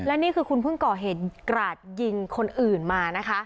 และนี่คือคุณเพิ่งก่อเหตุกราดยิงคนอื่นมานะคะ